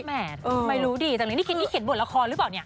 แหมดไม่รู้ดีแต่งนี้เขียนบทละครหรือเปล่าเนี่ย